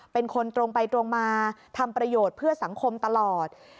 เป็นคนตรงไปตรงมาทำประโยชน์เพื่อสังคมตลอด